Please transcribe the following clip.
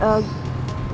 kenapa ngapain disini mas